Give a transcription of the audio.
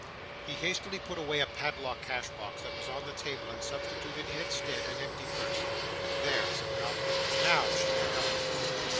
He hastily put away a padlocked cash box that was on the table, and substituted in its stead an empty purse. 'There,' said Ralph. 'NOW she may come in.